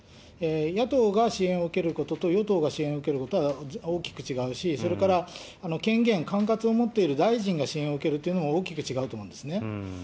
野党が支援を受けることと与党が支援を受けることは大きく違うし、それから権限、管轄を持っている大臣が支援を受けるというのも大きく違うと思うんですね。